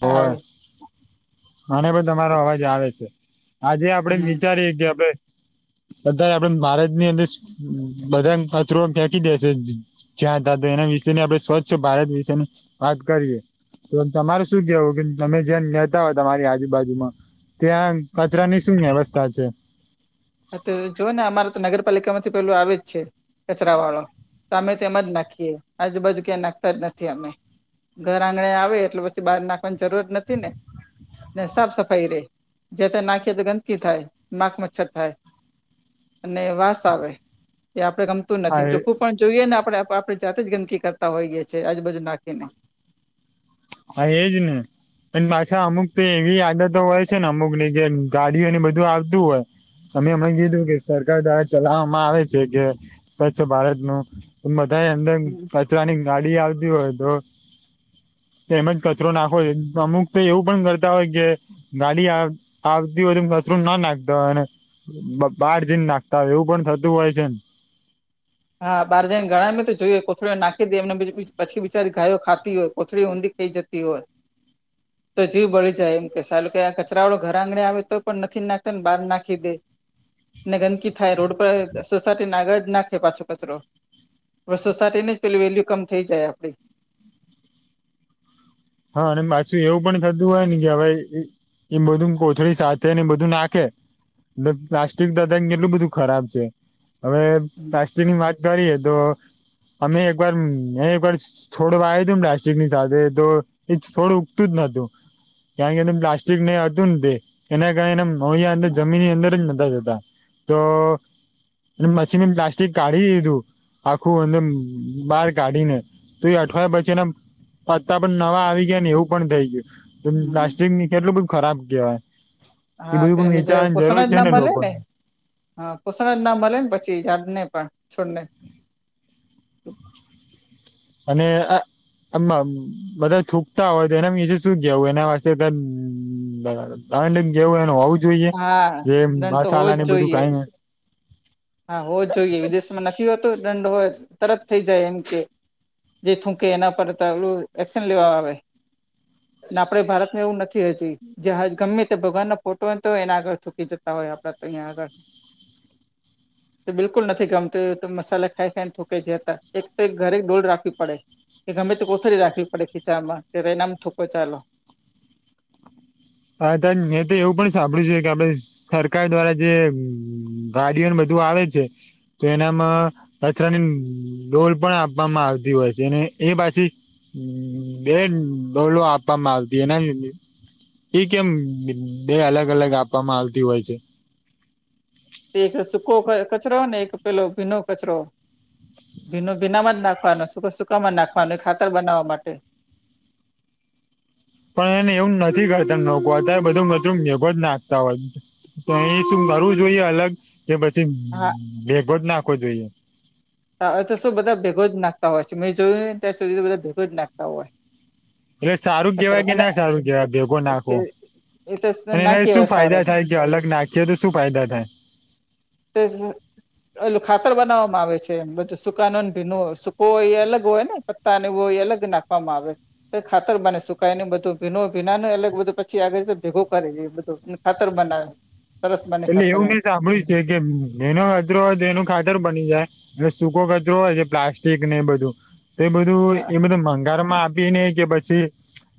હોવે આવે મને બી તમારો અવાજ આવે છે આજે આપડે હમ વિચારીએ કે આપડે બધાય આપડે બારેજ ત્યાં બેસું બધા કચરો ફેંકી દેશે જ્યાં દાદા એના વિશેની આપડે સ્વચ્છ ભારત વિશેની વાત કરીએ તો તમારું, શું કેવુંકે તમે જ્યાં નેતા હોય તમારી આજુબાજુમાં ત્યાં, કચરાની શું વ્યવસ્થા છે, અત જોને અમારે તો નગરપાલિકામાંથી પેલું આવે જ છે, કચરાવાળો. તો એમા જ નાખીએ આજુબાજુ ક્યાંક નાખતા જ નથી, અમે ઘર આંગણે આવે એટલે પછી બહાર નાખવાની જરૂર નથીને, ને સાફ સફાઈ રે જેતે નાખીએ તો ગંદકી થાય માખ, મચ્છર થાય. અને વાંસ આવેએ આપડે ગમતું આ નથી, એ- ચોખ્ખું પણ જોઈએને આપણેે આપણે જાતે જ ગંદકી કરતા હોઈએ છીએ, આજુબાજુ નાખીને. હા, એજને. અન પાછા અમુકતો એવી આદતો હોય છે, ને અમુકની ગાડીઓને બધું આવતું હોય. તમે હમણાં કીધું કે સરકાર દ્વારા ચલાવવામાં આવે છે, કે સ્વચ્છ ભારતનું બધા અંદર કચરાની ગાડી આવતી હોય તો, તેમજ કચરો નાખો અમુક તો એવું પણ કરતા હોય કે, ગાડી આવતી હોય, કચરોનો નાખતો અને. બહાર જઈને નાખતા હોય એવું પણ થતું હોય છે, ને હા બાર જાણને ઘણાતો જોઈએ, કોથળીને નાખી દે એમને પછી બિચારી ગાયો ખાતી હોય કોથળી ઊંધી, થઈ જતી હોય, [inaudible] તો જીવ બળી જાય એમ કે સાલું કેઆ કચરાવાળો ઘરઆંગણે આવે તો પણ નથી નાખતા ને બહાર નાખીદે. ને ગંદકી થાય રોડ પર સોસાયટીને આગળજ નાખે પાછું, કચરો સોસાયટીની જ પેલી વેલ્યુકમ થઈ જાય આપડી, હા, અને પાછું એવું પણ થતું હોય ને કે હવે. એમ બધું કોથળી સાથે નેએ બધું નાખે, એટલે પ્લાસ્ટિક દાદા ને કેટલું બધું ખરાબ છે, હવે હમ પ્લાસ્ટિક. ની વાત કરીએ તો, અમે એકવાર એકવાર છોડવાય તુંને પ્લાસ્ટિકની સાથે તો, એ થોડું ઉગતું જ નોતું ક્યાં કે પ્લાસ્ટિક ને હતું, નેતે એના કારણે એમ. હું અહીં અંદર જમીનની અંદર જનતા જતાતો, એટલે મછીનને પ્લાસ્ટિક કાઢી દીધું, આખું એમ બહાર કાઢીને તોએ અઠવાડિયા પછીના પત્તા પણ નવા આવ્યા. ગયાને એવું પણ થઈ ગયું, પ્લાસ્ટિકની કેટલું બધું ખરાબ કહેવાય. એ હા તો બધું એને જે નીચાવાની પોષણ જરૂર જ છે, ના ને મળે લોકોને હા પોષણજ ના મળે ને પછી યાદને પણ છોડને, અને આ આમાં, બધા થૂકતા હોય તો એના નીચે શું કવું એના વિશે બરાબર. હ જેવું એનું હોવું જોઈએ, હા જે દંડ તો હોવો મસાલા જ ને બધું જોઈએ કાંઈ નથી. હા હોવ જોઈએ વિદેશમાં નથી હોત દંડ હોય તરત થઈ જાય એમ કે, જે થૂકે એના પરું એક્શન લેવા આવે આપડે ભારતમાં એવું નથી. હજી જે ગમેતે ભગવાનો ફોટોતો હોય, એને આગળ ચૂકી જતા હોય, આપડે તો અહીંયા આગળ, તે બિલકુલ નથી ગમતું તો મસાલા ખાઈખાઈને થુકાઈ જતા એકતો ઘરે ડોલ રાખવી પડે. કે ગમેતો કોથરી રાખવી પડે, ખીચામાં ત્યારે એનામ થૂકો ચાલો. હા ત્યારે મેંતો એવું પણ સાંભળ્યું છે, કે આપડે સરકાર દ્વારા જે ગાડીઓના બધું આવે છે જે નામાં. ડોલ પણ આપવામાં આવતી હોય છે, અને એ પાછી. બેન ડોલો આપવામાં આવતી એમ. એઈ કેમ બે અલગ અલગ આપવામાં આવતી હોય છે. તે એક સૂકો કચરો ને એક પેલો ભીનો કચરો, ભીનું ભીના માં જ નાખવાનું સુકો સુકામાં જ નાખવાનું એ ખાતર બનાવા માટે. પણ એને એવું નથી કરતા લોકો અત્યારે બધું મજરું નિભ નાખતા હોય. તો અહી શું કરરવું જોઈએ અલગ કે પછી હા ભેગો જ નાખવો જોઈએ હા તો શું બધા ભેગો જ નાખતા હોય છે મેં જોયું ને ત્યાર સુધી તો બધા ભેગો જ નાખતા હોય એટલે સારું કચરો કેવાય કે અને ના સારું કેવાય ભેગો નાખો એ તો અને ના એનાથી કહેવાય શું સારો ફાયદા થાય અલગ નાખીએ તો શું ફાયદા થાય તો શું એલું ખાતર બનાવવામાં આવે છે બધું સુકા નો ને ભીનું હોય સુકો હોય એ અલગ હોય ને પત્તા ને બોય અલગ નાખવામાં આવે તો ખાતર બને સુકઈ ને બધું ભીનો ભીના ને અલગ બધું પછી આગે ભેગું કરે છે બધું ખાતર બનાવે સરસ બને એટલે ખાતર એવું એમ નઈ સાંભળ્યું છે કે એનો કચરો એનું ખાતર બની જાય એટલે સૂકો કચરો હોય છે પ્લાસ્ટિક ને એ બધું તો એ બધું હા એ બધું ભંગાર માં પીને કે પછી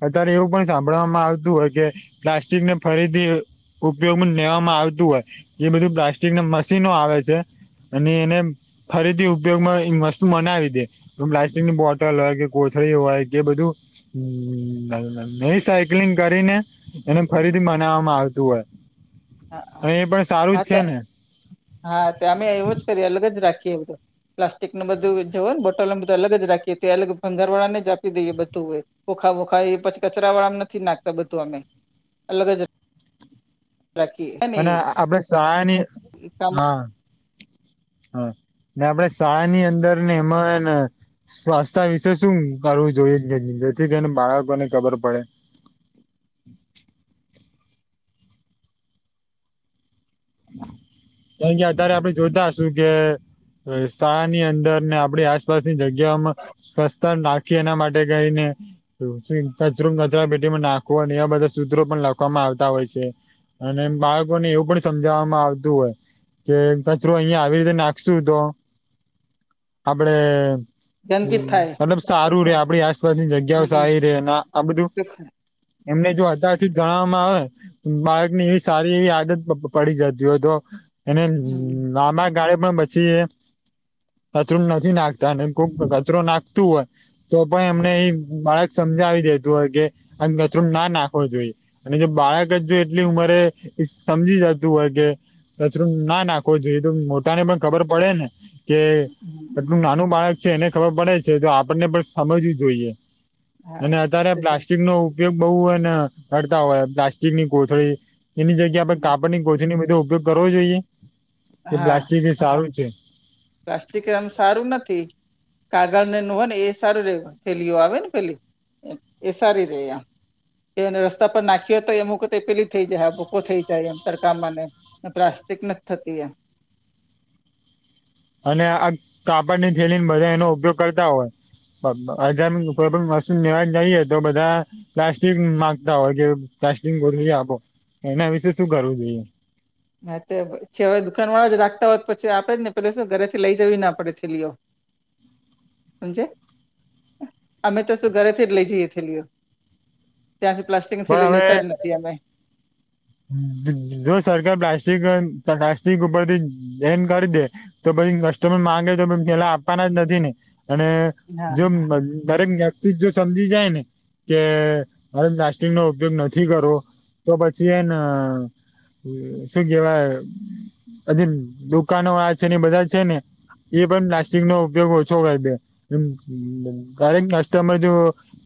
અત્યારે એવું પણ સાંભળવામાં આવતું હોય કે પ્લાસ્ટિકને ફરીથી ઉપયોગમાં લેવામાં આવ હો એ બધું પ્લાસ્ટિક ના મશીનો આવે છે અને એને ફરીથી ઉપયોગમાં વસ્તુ મનાવી દે પ્લાસ્ટિકની બોટલ હોય કે કોથળી હોય કે બધું હમમ એ સાયક્લિંગ કરીને એને ફરીથી બનાવવામાં આવતું હોય. હા એ પણ સારું હા જ તે છે ને. હા તે અમે એવું જ કરીએ અલગ જ રાખીએ એવું તો. પ્લાસ્ટિક નું બધું જવ ને બોટલને બધું અલગ જ રાખીએ ત્યા અલગ ભંગારવાળાને જ આપી દઈએ બધું હોય. ઓખા વોખા એ પછી કચરા વાળામાં નથી નાખતા બધું અમે અલગ જ રાખી એ અને આપ સહાની હા હા આપણે શાહ ની અંદર ને એમાં સ્વાસ્થ્ય વિશે શું કરવું જોઈએ જેથી કરીને બાળકોને ખબર પડે? અહીયા અતારે આપણે જોતા હશુ કે શાળા ની અંદર ને આપણી આસપાસની જગ્યામાં સ્વસ્થ નાખી એના માટે કઈને કચરો કચરા પેટીમાં નાખવો અને એવા બધા સૂત્રો પણ લખવામાં આવતા હોય છે. અને એમ બાળકો ને એવું પણ સમજાવવામાં આવતું હોય કે કચ અહિયા આવી રીતે નાખશુ તો આપણે ગંદકી થાય મતલબ સારું રે આપણે આસપાસની હમ જગ્યાઓ હમ સારી રે આ બધું ચોખ્ખા એમને જો અત્યારથી જ જણાવવામાં આવે બાળક ની એવી સારી એવી આદત પડી જતી હોય તો એને હમ હમ લાંબાગાળે પણ પછી એ કચરો નથી નાખતા અને કોક કચરો નાખતું હોય તો પણ એમને એ બાળક સમજાવી દેતું હોય કે આ કચરું ના નાખવો જોઈએ. અને જો બાળક જ જો એટલી ઉંમરે સમજી જતી હોય કે કચરું ના નાખવો જોઈએ તો મોટા ને પણ ખબર પડે ને! કે હમ કેટલું નાનું બાળક છે એને ખબર પડે છે તો આપણને પણ સમજવું જોઈએ. હા અને અત્યારે તે સા પ્લાસ્ટિક નો ઉપયોગ બહુ એને કરતા હોય પ્લાસ્ટિકની કોથળી એની જગ્યા આપણે હમ, કાપડ ની કોથળી નો બધો ઉપયોગ કરવો જોઈએ કે હા પ્લાસ્ટિક એ સારું છે. પ્લાસ્ટિક એ આમ સારું નથી. કાગળ ને એનો હોય ને એ સારું રહે થેલીઓ આવે ને પેલી. એ સારી રે આમ કે રસ્તા પર નાખ્યો તો એમ વખત એ પેલી થઈ જાય હા ભૂકો થઈ જાય એમ તડકામાં ને પ્લાસ્ટિક નથી જ થતી એમ. અને આ કાપડ ની થેલી ને બધા એનો ઉપયોગ કરતા હોય. બજાર કોઈ પણ વસ્તુ લેવા જઈએ તો બધા પ્લાસ્ટિક માંગતા હોય કે પ્લાસ્ટિક બોટલી આપો એના વિશે શું કરવું જોઈએ? ના છેવાય દુકાન વાળા જ રાખતા હોત પછી આપે જ ને પે શું ઘરે થી લઈ જવી ના પડે થેલીઓ. [inaudible] જે અમે તો શું ઘરેથી જ લઈ જઈ થેલીઓ. ત્યાંથી પ્લાસ્ટિકની થેલી પણ હવે લેતા જ નથી અમે. જો સરકાર પ્લાસ્ટિક પ્લાસ્ટિક ઉપરથી બેન કરી દે તો પછી કસ્ટમર માંગે તો પેલા આપવાના જ નથી ને અને હા જો દરેક [unintelligible] જો સમજી જાય ને કે હરે પ્લાસ્ટિક નો ઉપયોગ નથી કરવો તો પછી શન શું કેવાય? હજ દુકાનો આ છે ને બધા છે ને! એ પણ પ્લાસ્ટિક નો ઉપયોગ ઓછો હો કરેક કસ્ટમર જો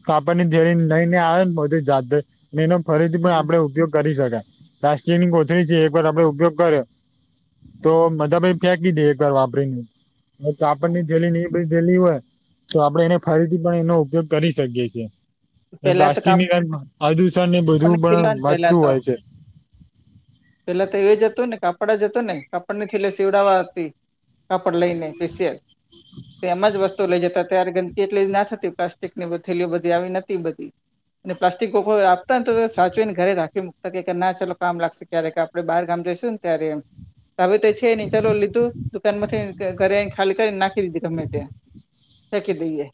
કાપડ ની જેરી નઈ ને આવે ને બધું જાત ને એનો ફરીથી પણ હમ, આપડે ઉપયોગ કરી શકાય પ્લાસ્ટિક ની કોથળી છે એક વાર આપડે ઉપયોગ કર્યો. તો મધાભાઈ ન ફેંકી દે એક વાર વાપરીને હ કાપડ હા ની થેલી ની થેલી હોય તો આપડે એને ફરીથી પણ એનો ઉપયોગ કરી શકીએ છીએ. પેલા તો પ્લાસ્ટિકની પ્રદૂષણ ને બધું કાપડની થેલી પણ આવે ને પેલા વધતું તો હોય છે. પેલા તો એ જ હતું ને કાપડ જ હતું ને કાપડ ની થેલી સીવડાવવા આપી. કપડ લઈને સ્પેશિયલ તો એમાં જ વસ તું લઈ જતા ત્યારે ગંદકી એટલી ના થતી પ્લાસ્ટિક ની થેલી બધી આવી નહોતી બધી. અને પ્લાસ્ટિક [unintelligible] આપ તાણ તો સાચવીને ઘરે રાખી મુૂકતા ના ચલો કામ લાગશે ક્યારે આપણે બહાર ગામ જઈશું ને ત્યારે એમ. હવે તો એ છે નઈ ચાલો લીધું દુકાનમાંથી ઘરે આઈ ન ખાલી કરીન નાખ [unintelligible] દીધી ગમે ત્યાં નાખી દઈએ.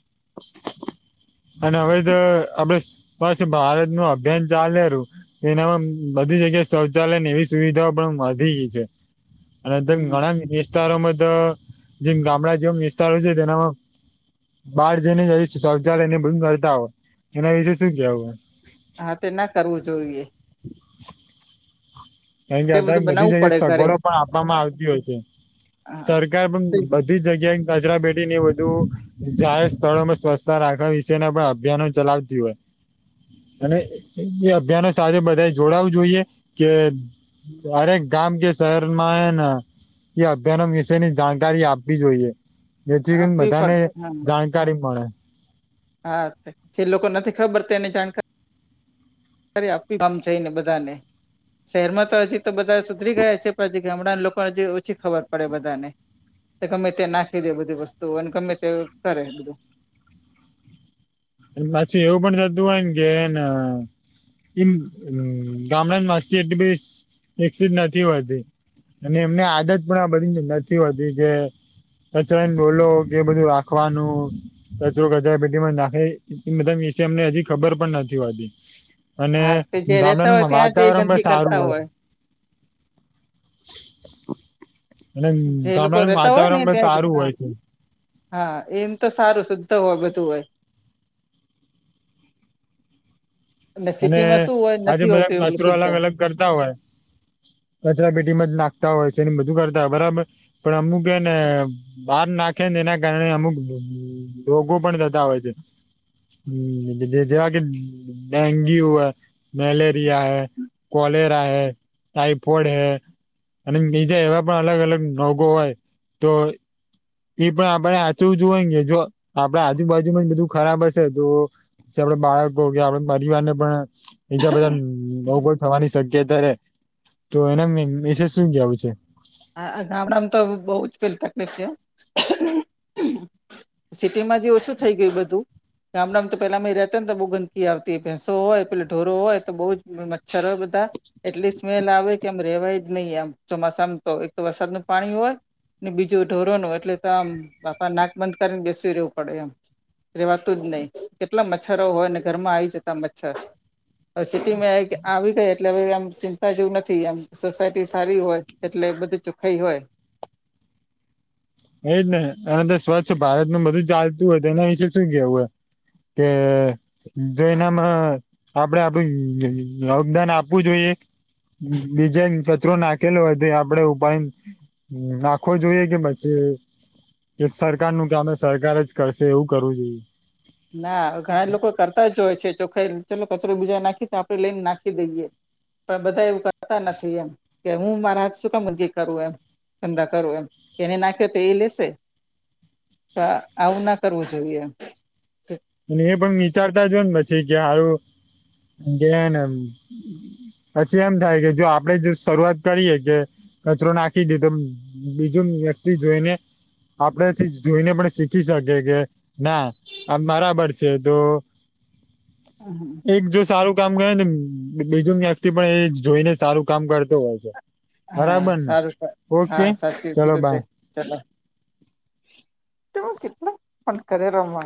અને હવે તો આપડે સ્વચ્છ ભારતનું અભિયાન ચાલેરું એનામાં બધી જગ્યાએ શૌચાલય ને એવી સુવિધાઓ પણ વધી ગઈ છે. અને તેમ હમ ઘણા ન વિસ તારોમાં તો જેમ ગામડા જેમ વિસ્તારો છે તેનામાં બાર [unintelligible] શૌચાલય ને ને બધું કરતા હોય એના વિશેે શું કેવું. હા તે ના કરવું જોઈએ. કારણ કે એ બધું અત્યારે બધી બનાવવું જગ્યાએ પડે ઘરે સગવડો પણ આપવામાં આવતી હોય છે. હા સરકાર પણ તે બ ધી જગ્યાએન કચરા પેટી ને એ બધું જાહેર સ્થળોમાં સ્વચ્છતા રાખવા વિશેના પણ અભિયાનો ચલાવતી હોય. અને એ અભિયાનો સાથે બધા જોડાવું જોઈએ કે ત્યારે ગામ કે શહેરમાં હે ન એ અભિયાનો વિશેની જાણકારી આપવી જોઈએ જેથી કરી આપવી બધાને પણ હા જાણ કારી મળે. હા જે લોકો નથી ખબર તેની જાણકારી કારી આપવી આમ જઈને બધાને, શહેરમાં તો હજી તો બધા સુધરી ગયા છે પણ હજી ગામડા ન લોકોને જે ઓછી ખબર પડે બધા ને. ગમે તે નાખી દે બધી વસ્તુ અને ગમે તે કરે બધું. પાછું એવું પણ થતું હોય ન કે એન ઇમ ગામડા ની મસ્તી એટલી બધી વિકસિત નથી હોતી. અને એમને આદત પણ આ બધી નથી હોતી કે કચરાની ડોલો કે એ બધું રાખવાનું કચરો કચરા પેટીમાં નાખે. એ બધા ના વિશે એમને હજી ખબર પણ નથી હોતી. અને હા તે જે રેતા હોય ગામડાનું ત્યાં જે વાતાવરણ પણ ગંદકી કરતા સારું હોય. અને જે એ લોકો ગામડાનું રહેતા હોય વાતાવરણ ને પણ ત્યાં એ તે સારું હા. હોય છે હા એમ તો સારું શુદ્ધ હો બધું હોય. અને સિટીમાં શું હોય આ જે નથી બધા ન હોતું એટલું કચરો શુદ્ધ અલગ અલગ કરતા હોય કચરા પેટીમાં જ નાખતા હોય છે ને બધું કરતા હોય બરાબર. પણ અમુક હે ને બાર નાખે ને એના કારણે અમુક રોગો પણ થતા હોય છે. હં, જે જે જેવા કે ડેન્ગ્યુ હે મલેરિયા હે કોલે હે ટાઈફોઈડ હે અને બીજા એવા પણ અલગ અલગ રોગો હોય તો એ પણ આપણે હાચુ જ હોય ન કે જો આપડે આજુબાજુનું જ બધું ખરાબ હશે તો. ચલો બાળકો કે આપણા પરિવાર ને પણ બીજા બધા ન રોગો થવાની શક્યતા રે. તો એના વિ વિશે શું કવું છે? અ અ ગામડા મ તો બહુ જ પેલી તકલીફ છે. [inaudible] સિટીમાં જે ઓછું થઈ ગયું બધું. ગામડામાં તો પેલા અમે રહેતા ને તો બહુ ગંદકી આવતી ભેંસો હોય પેલા ઢોરો હોય તો બહુ જ મચ્છર હોય બધા. એટલી સ્મેલ આવે કે એમ રેવાય જ નહી એમ ચોમાસામ તો એક તો વરસાદ ન પાણી હોય ને બીજું ઢોરોનું એટલે તો આમ બાપા નાક બંધ કરીને બેસીવી રહેેવું પડે એમ રેવાતું જ નહી કેટલા મચ્છરો હોયને ઘરમાં આવી જતા મચ્છર સિટીમાં આવી ગઈ એટલે હવે આમ ચિંતા જેવું નથી એમ સોસાયટી સારી હોય એટલે બધી ચોખાઈ હોય. એજ ને સ્વચ્છ ભારત નું બધું ચાલતું હોય તો એના વિશે શું કેવું હે એમ તે જો એનામાં આપડે આપડ યોગદાન આપવું જોઈએ બીજાન કચરો નાખેલો હોય તો આપડે ઉપાડી નાખવો જોઈએ કે કે સરકાર નું કામે સરકાર જ કરશે એવું કરવું જોઈએ ના ઘણા લોકો કરતા જ હોય છે ચોખાઈ ચલો કચરો બીજા નાખી તો આપડે લઈને નાખી દઈએ પણ બધા એવું કરતા નથી એમ કે હું મારા હાથ શું કામ કરું એમ ગંદા કરુ એમ એને નાખ્યો તો એ લેશે તો આવું ના કરવું જોઈએ એમ અને એ પણ વિચારતા જ હોય ને પછી કે હારું કે હેને પછી એમ થાય કે જો આપડે જો શરૂઆત કરીએ કે કચરો નાખી દેધો બીજું વ્યક્તિ જઈને આપડથી જોઈને પણ શીખી શકીએ કે ના મારા ખબર છે તો હમ હમ એક જો સારું કામ કરે ને બીજું વ્યક્તિ પણ એ જોઈને સારું કામ કરતો હોય છે. હા બરાબર ને સારું હા ઓકે સાચી ચલો કીધુંતે બાય ચલો તો કેટલા પણ કરે માય